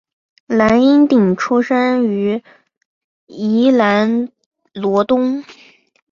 蓝荫鼎出生于宜兰罗东